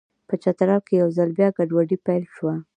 په چترال کې یو ځل بیا ګډوډي پیل شوه.